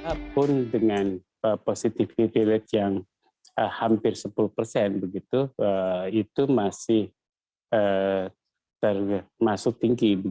walaupun dengan positifnya yang hampir sepuluh persen itu masih termasuk tinggi